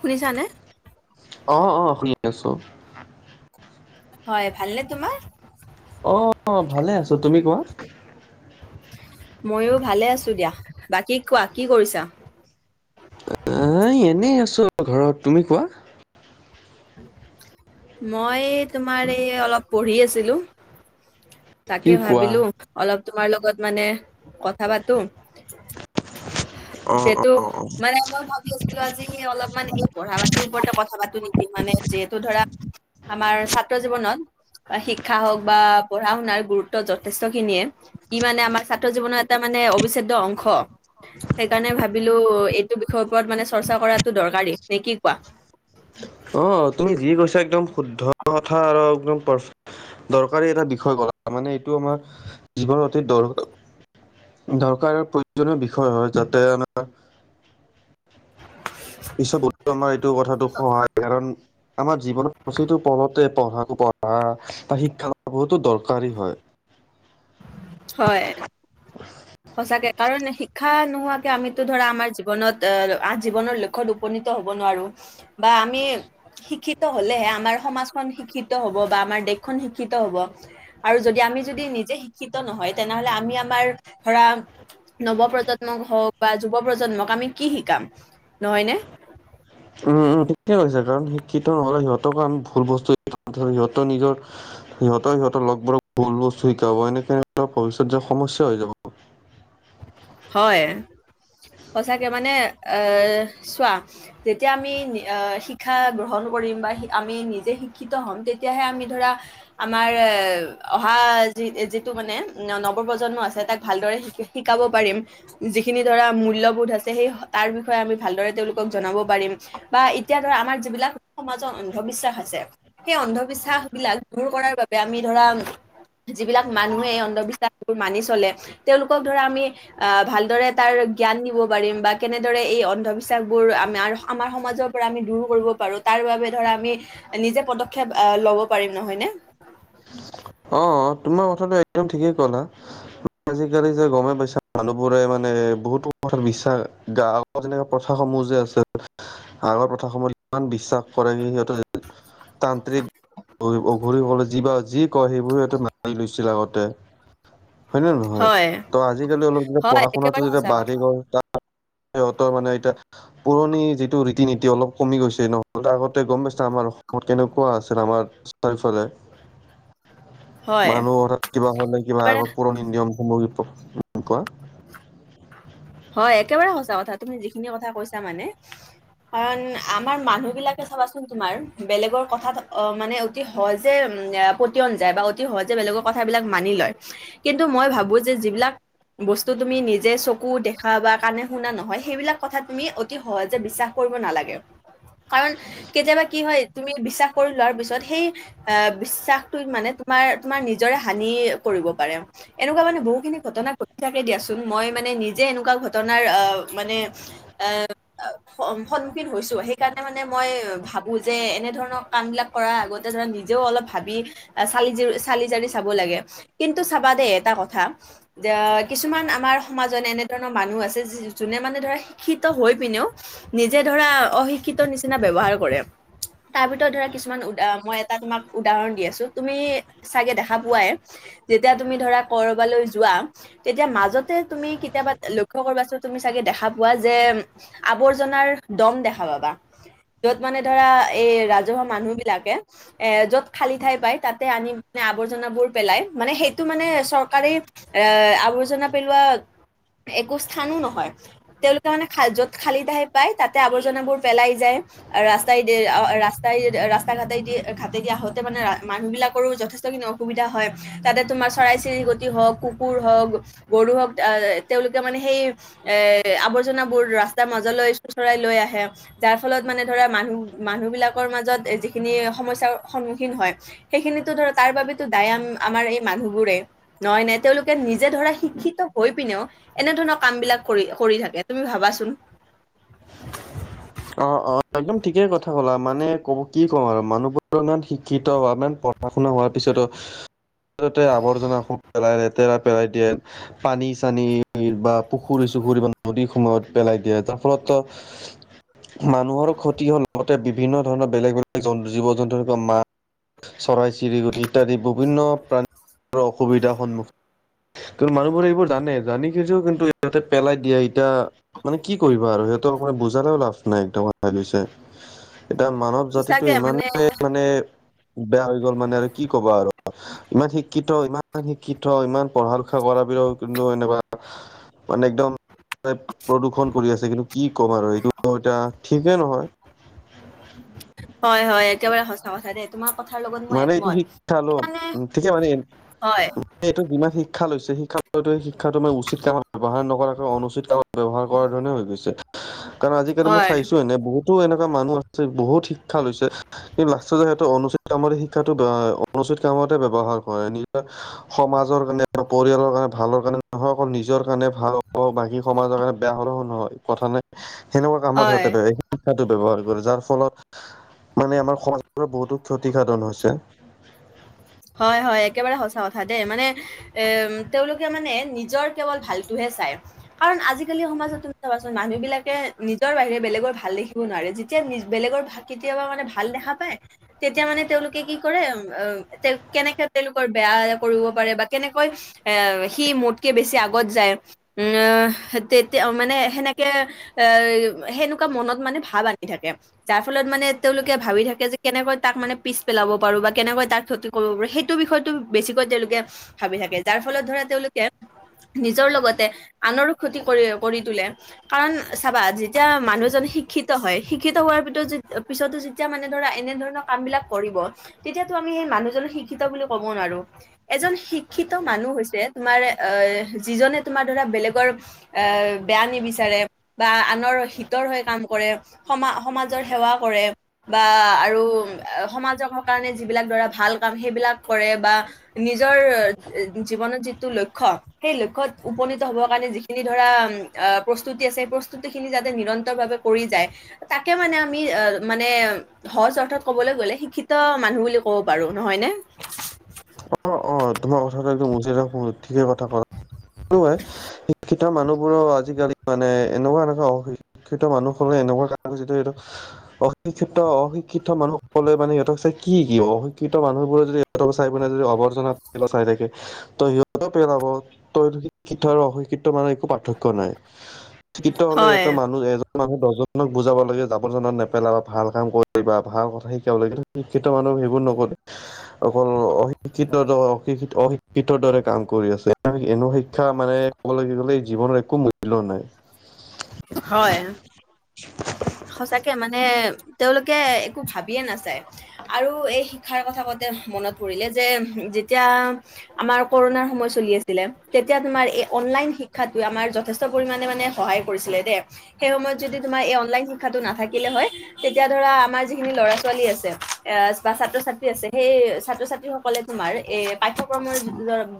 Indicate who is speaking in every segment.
Speaker 1: শুনিছানে?
Speaker 2: অহ ', - অহ ', শুনি আছোঁ।
Speaker 1: হয়, ভালনে তোমাৰ?
Speaker 2: অঁ, ভালে আছো, তুমি কোৱা?
Speaker 1: মইয়ো ভালে আছো দিয়া, বাকী কোৱা কি কৰিছা?
Speaker 2: এ এনেই আছোঁ ঘৰত, তুমি কোৱা?
Speaker 1: মই তোমাৰ এই অলপ পঢ়ি আছিলোঁ।
Speaker 2: কি
Speaker 1: তাকে
Speaker 2: কোৱা
Speaker 1: ভাবিলোঁ অলপ তোমাৰ লগত মানে- কথা পাতো,
Speaker 2: অ
Speaker 1: যিহেতু - মানে মই ভাবি আছিলোঁ আজি অলপমান এই পঢ়া পাতিৰ ওপৰতে কথা পাতো নেকি মানে যিহেতু ধৰা আমাৰ ছাত্ৰ জীৱনত শিক্ষা হওক বা পঢ়া শুনাৰ গুৰুত্ব যথেষ্ট খিনিয়ে। ই মানে আমাৰ ছাত্ৰ জীৱনৰ এটা মানে অবিচ্ছেদ্য অংশ। সেইকাৰণে ভাবিলো এইটো বিষয়ৰ ওপৰত মানে চৰ্চা কৰাটো দৰকাৰী, নে কি কোৱা?
Speaker 2: অঁ, তুমি যি কৈছা একদম শুদ্ধ কথা আৰু একদম পাৰফেক্ট। দৰকাৰী এটা বিষয় কথা, মানে এইটো আমাৰ জীৱনৰ অতি দৰ- দৰকাৰ প্ৰয়োজনীয় বিষয় হয় যাতে আমাৰ - পিছত গুৰুত্বময় এইটো কথাটো সহায় কাৰণ- আমাৰ জীৱনৰ প্ৰতিটো পলতে পঢ়া বা শিক্ষা বহুতো দৰকাৰী হয়।
Speaker 1: হয়, সচাকে কাৰণ- শিক্ষা নোহোৱাকে আমিতো ধৰা আমাৰ জীৱনত আহ জীৱনৰ লক্ষ্যত উপনীত হ'ব নোৱাৰোঁ। বা আমি শিক্ষিত হলেহে আমাৰ সমাজখন শিক্ষিত হ'ব বা আমাৰ দেশখন শিক্ষিত হব। আৰু যদি আমি যদি নিজে শিক্ষিত নহয় তেনেহলে আমি আমাৰ ধৰা নৱ প্ৰজন্মক হওক বা যুৱ প্ৰজন্মক আমি কি শিকাম, নহয় নে?
Speaker 2: উম, উম, ঠিকেই হৈছে কাৰণ শিক্ষিত নহলে সিহঁতকো আমি ভুল বস্তু ধৰ সিহঁতৰ নিজৰ সিহঁতে সিহঁতৰ লগ বোৰ ভুল বস্তু শিকাব এনেক হ'লে টো ভবিষ্যত যে সমস্যা হৈ যাব।
Speaker 1: হয়। সচাকে মানে এ চোৱা যেতিয়া আমি অ, শিক্ষা গ্ৰহণ কৰিম বা আমি নিজে শিক্ষিত হম তেতিয়াহে আমি ধৰা আমাৰ এ অহা যি যিটো মানে নৱপ্ৰজন্ম আছে তাক ভালদৰে শ শিকাব যিখিনি ধৰা মূল্যবোধ আছে সেই তাৰ বিষয়ে আমি ভাল তেওঁলোকক জনাব পাৰিম। বা এতিয়া ধৰা আমাৰ যিবিলাক সমাজৰ অন্ধবিশ্বাস আছে। সেই অন্ধবিশ্বাস বিলাক দূৰ কৰাৰ বাবে আমি ধৰা যিবিলাক মানুহে এই অন্ধবিশ্বাসবোৰ মানি চলে তেওঁলোকক ধৰা আমি আহ ভালদৰে তাৰ জ্ঞান দিব পাৰিম বা কেনেদৰে এই অন্ধবিশ্বাসবোৰ আম-আমাৰ সমাজৰ আমি দূৰ কৰিব পাৰো তাৰ বাবে ধৰা আমি নিজে পদক্ষেপ আহ ল'ব পাৰিম নহয় নে?
Speaker 2: অ', তোমাৰ কথাটো একদম ঠিকেই কলা।
Speaker 1: [inaudible]
Speaker 2: আজিকালি যে গমে পাইছা মানুহ বোৰে মানে বহুতো কথা বিশাস গা তেনো প্ৰথাস সমূহ যে আছে, আগৰ প্ৰথাস সমূহ ইমান বিশ্বাস কৰে সিহঁত যে তান্ত্ৰিক অঘৰি সকলে যি বা যি ক সেইবোৰ এইটো মানী লৈছিল আগতে। হয় নে নহয়?
Speaker 1: হয়।
Speaker 2: ত' আজিকালি অলপ যেতিয়া
Speaker 1: হয়
Speaker 2: পঢ়া শুনাটো
Speaker 1: একেবাৰে
Speaker 2: যেতিয়া
Speaker 1: সঁচা
Speaker 2: বাঢ়ি
Speaker 1: কথা।
Speaker 2: গ'ল তাত সিহঁতৰ মানে এতিয়া পুৰণি যিটো ৰীতি নীতি অলপ কমি গৈছে নহলে ত আগতে গম পাইছা আমাৰ অসমত কেনেকুৱা আছিল আমাৰ চাৰিফালে।
Speaker 1: হয়।
Speaker 2: মানুহ অথাৎ কিবা হলে কিবা
Speaker 1: একেবাৰে
Speaker 2: আগৰ পুৰণি নিয়মসমূহ কুৱা?
Speaker 1: হয়, একেবাৰে সঁচা কথা তুমি যিখিনি কথা কৈছা মানে। কাৰণ আমাৰ মানুহ বিলাকে চাবাচোন তোমাৰ, বেলেগৰ কথাত অ, মানে অতি সহজে পতিয়ন যায় বা অতি সহজে বেলেগৰ কথাবিলাক মানি লয়। কিন্তু মই ভাবো যে যিবিলাক বস্তু তুমি নিজ যে চকু দেখা বা কাণে শুনা নহয় সেইবিলাক কথা তুমি অতি সহজে বিশ্বাস কৰিব নালাগে। কাৰণ কেতিয়াবা কি হয় তুমি বিশ্বাস কৰি লোৱাৰ পিছত সেই আহ, বিশ্বাসটো মানে তোমাৰ-তোমাৰ নিজৰে হানি কৰিব পাৰে। এনেকুৱা মানে বহুখিনি ঘটনা ঘটি থাকে দিয়াচোন, মই মানে নিজে এনেকুৱা ঘটনাৰ আহ মানে আ সন্মুখীন হৈছোঁ সেইকাৰণে মানে মই ভাবোঁ যে এনেধৰণৰ কামবিলাক কৰাৰ আগত ধৰা নিজেও অলপ ভাবি চালি জ চালি জাৰি চাব লাগে। কিন্তু চাবা দেই এটা কথা, যে কিছুমান আমাৰ সমাজত এনেধৰণৰ মানুহ আছে যোনে মানে ধৰা শিক্ষিত হৈ পিনেও নিজে ধৰা অশিক্ষিত নিচিনা ব্যৱহাৰ কৰে তাৰ ভিতৰত ধৰা কিছুমান উদা মই এটা তোমাক উদাহৰণ দি আছো তুমি চাগে দেখা পোৱাই যেতিয়া তুমি ধৰা কৰবালৈ যোৱা তেতিয়া মাজতে তুমি কেতিয়াবা লক্ষ্য কৰিবাচোন তুমি চাগে দেখা পোৱা যে আৱৰ্জনাৰ দম দেখা পাবা। যত মানে ধৰা এই ৰাজহুৱা মানুহ বিলাকে এ য'ত খালী ঠাই পায় তাতে আনি আৱৰ্জনাবোৰ পেলাই, মানে সেইটো মানে চৰকাৰে এ আৱৰ্জনা পেলোৱা একো স্থানো নহয়, তেওঁলোকে মানে খাল য'ত খালি ঠাই পায় তাতে আৱৰ্জনাবোৰ পেলাই যায়। ৰাস্তাইদি ৰাস্তাই ৰাস্তা ঘাটে-ঘাটে দিয়া আহোতে মানে মানুহ বিলাকৰো যথেষ্টখিনি অসুবিধা হয় তাতে তোমাৰ চৰাই চিৰিকটি হওক কুকুৰ হওক গৰু হওক এ তেওঁলোকে মানে সেই এ আৱৰ্জনাবোৰ ৰাস্তাৰ মাজলৈ চোচৰাই লৈ আহে যাৰ ফলত মানে ধৰা মানুহ মানুহ বিলাকৰ মাজত যিখিনি সমস্যাৰ সন্মুখীন হয় সেইখিনিতো ধৰ তাৰ বাবেতো দায়াম আমাৰ এই মানুহবোৰে নহয় নে তেওঁলোকে নিজে ধৰা শিক্ষিত হৈ পিনেও এনেধৰণৰ কাম বিলাক কৰি কৰি থাকে তুমি ভাবাচোন
Speaker 2: অ অ একদম ঠিকেই কথা ক'লা মানে ক'ব কি ক'ম আৰু মানুহবোৰো ইমান শিক্ষিত বা ইমান প পঢ়া শুনা হোৱাৰ পিছতো যতে ততে আৱৰ্জনা বোৰ পেলাই লেতেৰা পেলাই দিয়ে পানী চানী বা পুখুৰী চুখুৰী বা নদী সময়ত পেলাই দিয়ে তাৰ ফলত মানুহৰ ক্ষতি হোৱাৰ লগতে বিভিন্ন ধৰণৰ বেলেগ বেলেগ জ জীৱ জন্তুৰ বা মা চৰাই চিৰিকটি ইত্যাদি বিভিন্ন প্ৰাণীৰৰ অসুবিধাৰ সন্মুখীন কিন্তু মানুহবোৰে এইবোৰ জানে জানি বুজিও কিন্তু ইহতে পেলাই দিয়ে ইতিয়া মানে কি কৰিব আৰু সেটো অকমান বুজালেও লাভ নাই একদম ই লৈছে এতিয়া মানৱ
Speaker 1: সঁচাকে
Speaker 2: জাতিটো
Speaker 1: মানে
Speaker 2: ইমানেই মানে বেয়া হৈ গ'ল মানে আৰু কি ক'বা আৰু ইমান শিক্ষিত ইমান শিক্ষিত ইমান পঢ়া লিখা কৰা বিলাকো কিন্তু এনেকোৱা মানে একদম প্ৰদূষণ কৰি আছে কিন্তু কি ক'ম আৰু এইটো অ এতিয়া ঠিকেই নহয়
Speaker 1: হয় হয় একেবাৰে সঁচা কথা দে তোমাৰ কথাৰ লগত মই
Speaker 2: মানে এইটো
Speaker 1: একমত
Speaker 2: শিক্ষা ল
Speaker 1: সেইকাৰণে
Speaker 2: ঠিকে মানে
Speaker 1: হয়
Speaker 2: এইটো যিমান শিক্ষা লৈছে শিক্ষা লোৱাতো শিক্ষাটো আমাৰ উচিত কামত ব্যৱহাৰ নকৰাকৈ অনুচিত কামত ব্যৱহাৰ কৰাৰ ধৰণে হৈ গৈছে কাৰণ আজিকালি মই
Speaker 1: হয়
Speaker 2: চাইছো এনে বহুতো এনেকোৱা মানুহ আছে বহুত শিক্ষা লৈছে কিন্তু আচলতে সেইটো অনুচিত কামৰ শিক্ষাটো অনুচিত কামতে ব্যৱহাৰ কৰে নিজৰ সমাজৰ কাৰণে পৰিয়ালৰ কাৰণে ভালৰ কাৰণে নহয় অকল নিজৰ কাৰণে ভাল বাকী সমাজৰ কাৰণে বেয়া সলোহু নহয় কথা নাই সেনেকোৱা কামত
Speaker 1: হয়
Speaker 2: সিহঁতে শিক্ষাটো ব্যৱহাৰ কৰে যাৰ ফলত মানে আমাৰ সমাজবোৰৰ বহুতো ক্ষতি সাধন হৈছে
Speaker 1: হয় হয় একেবাৰে সঁচা কথা দেই মানে এ তেওঁলোকে মানে নিজৰ কেৱল ভালটোহে চায় কাৰণ আজিকালি সমাজত তুমি চাবাচোন মানুহ বিলাকে নিজৰ বাহিৰে বেলেগৰ ভাল দেখিব নোৱাৰে যেতিয়া বেলেগৰ ভাল কেতিয়াবা মানে ভাল দেখা পায় তেতিয়া মানে তেওঁলোকে কি কৰে অ তেওঁক কেনেকে তেওঁলোকৰ বেয়া কৰিব পাৰে বা কেনেকৈ এ সি মোতকে বেছি আগত যায়। উম তেতিয়া মানে সেনেকে এই সেনেকোৱা মনত মানে ভাৱ আনি থাকে যাৰ ফলত মানে তেওঁলোকে ভাবি থাকে যে কেনেকৈ তাক মানে পিছ পেলাব পাৰো বা কেনেকৈ তাক ক্ষতি কৰিব পাৰে সেইটো বিষয়তো বেছিকৈ তেওঁলোকে ভাবি থাকে যাৰ ফলত ধৰা তেওঁলোকে নিজৰ লগতে আনৰো ক্ষতি কৰি কৰি তোলে কাৰণ চাবা যেতিয়া মানুহজন শিক্ষিত হয় শিক্ষিত হোৱাৰ ভিতত য পিছতো য যেতিয়া মানে ধৰা এনে ধৰণৰ কামবিলাক কৰিব তেতিয়াতো আমি সেই মানুহজনক শিক্ষিত বুলি ক'বও নোৱাৰো এজন শিক্ষিত মানুহ হৈছে তোমাৰ এ যিজনে তোমাৰ ধৰা বেলেগৰ এ বেয়া নিবিচাৰে বা আনৰ হিতৰ হৈ কাম কৰে সমা সমাজৰ সেৱা কৰে। বা আৰু সমাজৰ কাৰণে যিবিলাক ধৰা ভাল কাম সেইবিলাক কৰে বা নিজৰ জীৱনত যিটো লক্ষ্য সেই লক্ষ্যত উপনীত হব কাৰণে যিখিনি ধৰা প্ৰস্তুতি আছে সেই প্ৰস্তুতি খিনি যাতে নিৰন্তৰ ভাৱে কৰি যায় তাকে মানে আমি মানে সহজ অৰ্থ কবলৈ গলে শিক্ষিত মানুহ বুলি কব পাৰো নহয় নে?
Speaker 2: অ', অ', তোমাৰ কথাটো একদ উচিত দেখোন ঠিকে কথা কলা লোৱা [unintelligible] শিক্ষা মানুহবোৰৰ আজিকালি মানে এনেকুৱা এনেকুৱা অ শিক্ষিত মানুহ হলে এনেকুৱা কাৰণ যিটো এইটো অশিক্ষিত অশিক্ষিত মানুহসকলে মানে সিহঁতক চাই কি শিকিব? শিক্ষিত মানুহবোৰে যদি সিহঁতক চাই পিনে যদি আৱৰ্জনাত পোলোৱা চাই থাকে ত' সিহঁতও পেলাব, ত' শিক্ষিত আৰু অশিক্ষিত মানে একো পাৰ্থক্য নাই। শিক্ষিত হলে
Speaker 1: হয়
Speaker 2: সিহঁতৰ মানুহ এজন মানুহ দছজনক বুজাব লাগে জাবৰ জনন নেপেলাবা, ভাল কাম কৰিবা, ভাল কথা শিকাব লাগে, কিন্তু শিক্ষিত মানুহ সেইবোৰ নকৰে। অকল অশিক্ষিত দ অশিক্ষি-অশিক্ষিত দৰে কাম কৰি আছে। এনো শিক্ষা মানে ক'বলৈ গ'লে জীৱনৰ একো মূল্য নাই।
Speaker 1: হয়, সঁচাকে মানে তেওঁলোকে একো ভাবিয়ে নাচায়। আৰু এই শিক্ষাৰ কথা কওঁতে মনত পৰিলে, যে যেতিয়া আমাৰ কৰোণাৰ সময় চলি আছিলে, তেতিয়া তোমাৰ এই অনলাইন শিক্ষাতোয়ে আমাৰ যথেষ্ট পৰিমাণে মানে সহায় কৰিছিলে দে। সেই সময়ত যদি তোমাৰ এই অনলাইন শিক্ষাটো নাথাকিলে হয় তেতিয়া ধৰা আমাৰ যিখিনি ল'ৰা-ছোৱালী আছে, এ বা ছাত্ৰ-ছাত্ৰী আছে সেই ছাত্ৰ-ছাত্ৰী সক কলে তোমাৰ এই পাঠ্যক্ৰমৰ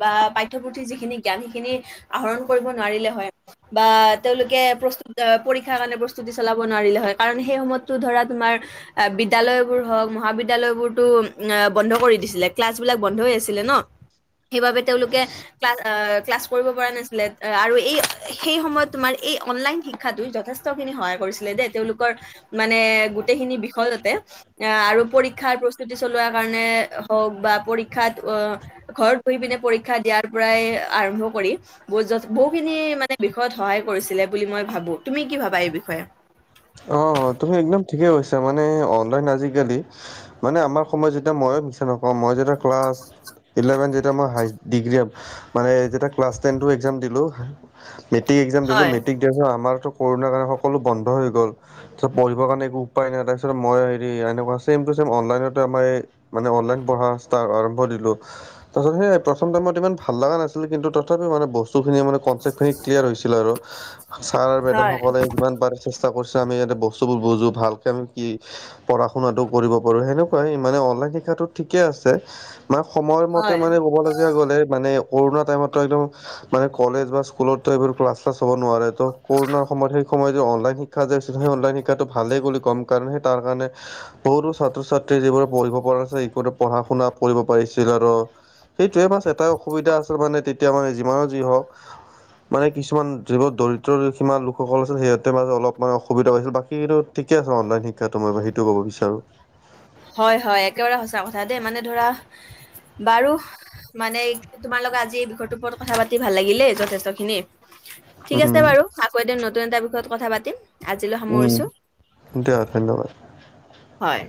Speaker 1: বা পাঠ্যপুথিৰ যিখিনি জ্ঞান সেইখিনি আহৰণ কৰিব নোৱাৰিলে হয়, বা তেওঁলোকে প্ৰস্তু আ পৰীক্ষাৰ কাৰণে প্ৰস্তুতি চলাব নোৱাৰিলে হয়, কাৰণ সেই সময়তটো ধৰা তোমাৰ আ বিদ্যালয়বোৰ হওক মহাবিদ্যলয়বোৰতো আ বন্ধ কৰি দিছিলে। ক্লাছ বিলাক বন্ধ হৈ আছিলে ন, সেইবোবে তেওঁলোকে ক্লাছ আ ক্লাছ কৰিব পৰা নাছিলে আ-আৰু এই সেই সময়ত তোমাৰ এই অনলাইন শিক্ষা যথেষ্ট খিনি সহায় কৰিছিলে দেই, তেওঁলোকৰ মানে গোটেইখিনি বিষয়াতে আহ আৰু পৰীক্ষাৰ প্ৰস্তুতি চলোৱা কাৰণে হওক বা পৰীক্ষাত অ ঘৰত বহি পিনে পৰীক্ষা দিয়াৰ পৰাই আৰম্ভ কৰি, বহু জচ বহুখিনি মানে বিষয়ত সহায় কৰিছিলে বুলি মই ভাবো। তুমি কি ভাবা এই বিষয়ে?
Speaker 2: অহ', তুমি একদম ঠিকেই কৈছা মানে অনলাইন আজিকালি', মানে আমাৰ সময়ত যেতিয়া মইয়ো মিছা নকওঁ, মই যেতিয়া ক্লাছ', ইলেভেন যেতিয়া মই হাই, ডিগ্ৰী মানে যেতিয়া ক্লাছ টেনটো এক্সাম দিলোঁ', মেট্ৰিক এক্সাম দিলোঁ,
Speaker 1: হয়
Speaker 2: মেট্ৰিক দিয়াৰ পিছত আমাৰটো কৰোণাৰ কাৰণ সকলো বন্ধ হৈ গ'ল', হৈ গ'ল, ত' পঢ়িবৰ কাৰণে একো উপায় নাই তাৰপিছতে মই হেৰি এনেকুৱা চেম-টো-চেম, অনলাইনতে আমাৰ এই', মানে অনলাইন পঢ়া ষ্টাৰ, আৰম্ভ দিলোঁ ', তাৰপিছত সেই প্ৰথম টাইমত ইমান ভাল লাগা নাছিলে কিন্তু তথাপি মানে বস্তুখিনি মানে কনচেপ্ট', খিনি ক্লিয়াৰ হৈছিল আৰু, ছাৰ-মেডাম
Speaker 1: হয়
Speaker 2: সকলে যিমান পাৰে', চা কৰছে আমি যাতে বস্তুবোৰ বুজো, ভালকে আমি কি', পঢ়া- শুনাটো কৰিব পাৰোঁ, সেনেকুৱাই মানে অনলাইন শিক্ষাটো ঠিকে আছে', মানে সময় মতে
Speaker 1: হয়
Speaker 2: মানে ক'বলগীয়া গ'লে মানে কৰোণা টাইমত একদম', মানে কলেজ বা স্কুলত এইবোৰ ক্লাছ-চলাছ হ'ব নোৱাৰে, ত' কৰোণাৰ সময়ত সেই সময়ত যে অনলাইন শিক্ষা', শিক্ষা যে আছে, সেই অনলাইন শিক্ষাটো ভালেই বুলি কম কাৰণ সেই তাৰ কাৰণে', বহুতো ছাত্ৰ-ছাত্ৰী যিবোৰৰে পঢ়িব পৰা আছে সিহঁতে পঢ়া-শুনা কৰিব পাৰিছিলে আৰু', সেইটোৱে, বাছ এটাই অসুবিধা আছিল মানে তেতিয়া মানে যিমানো যি হওঁক', মানে কিছুমান, যিবোৰ দৰিদ্ৰ সীমাৰ লোকসকল আছিল সিহঁতে মানে অলপ', মানে অসুবিধা হৈছিল, বাকী ত', ঠিকে আছে অনলাইন শিক্ষাটো মই সেইটো ক'ব বিচাৰোঁ',
Speaker 1: হয়', - হয়', একেবাৰে সঁচা কথা দেই মানে ধৰা, বাৰু', মানে এই', তোমাৰ লগত আজি এই বিষয়টোৰ ওপৰত কথা পাতি ভাল লাগিলে যথেষ্ট খিনি', ঠিক আছে বাৰু, আকৌ এদিন নতুন এটা বিষয়ত কথা পাতিম', আজিলৈ
Speaker 2: উম,
Speaker 1: সামৰিছো
Speaker 2: দিয়া ধন্যবাদ',
Speaker 1: হয়',